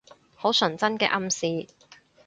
好純真嘅暗示